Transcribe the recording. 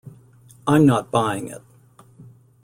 I'm not buying it.